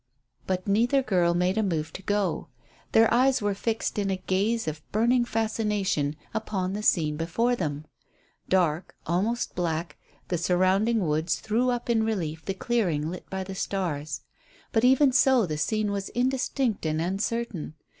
But neither girl made a move to go. Their eyes were fixed in a gaze of burning fascination upon the scene before them. Dark, almost black, the surrounding woods threw up in relief the clearing lit by the stars. But even so the scene was indistinct and uncertain.